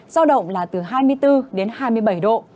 giao động là từ hai mươi bốn đến hai mươi bảy độ